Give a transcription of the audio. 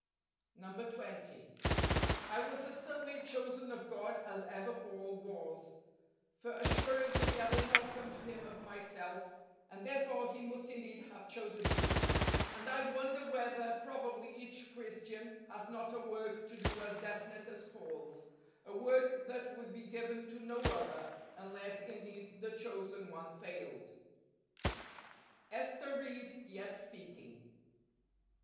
142 DECEMBER. 20. I was as certainly chosen of God as ever Paul was ; for assuredly I did not come to Him of myself, and therefore He must in¬ deed have chosen me ; and I wonder whether probably each Christian has not a work to do as definite as Paul's —a work that would be given to no other, unless indeed the chosen one failed. Ester Ried Yet Speaking.